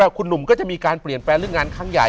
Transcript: อยู่ที่แม่ศรีวิรัยิลครับ